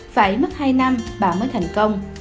phải mất hai năm bà mới thành công